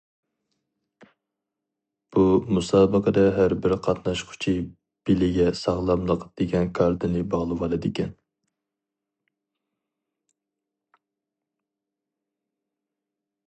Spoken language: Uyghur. بۇ مۇسابىقىدە ھەربىر قاتناشقۇچى بېلىگە« ساغلاملىق» دېگەن كارتىنى باغلىۋالىدىكەن.